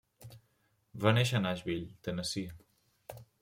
Va néixer a Nashville, Tennessee.